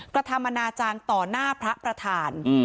กระทำอนาจารย์ต่อหน้าพระประธาน